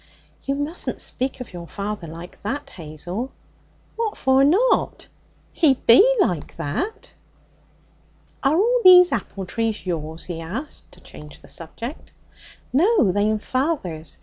'You mustn't speak of your father like that, Hazel.' 'What for not? He be like that.' 'Are all these apple trees yours?' he asked to change the subject. 'No, they'm father's.